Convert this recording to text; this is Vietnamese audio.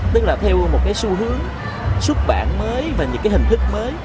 tức là theo một xu hướng xuất bản mới và những hình thức mới